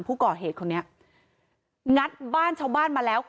ผู้ก่อเหตุคนนี้งัดบ้านชาวบ้านมาแล้ว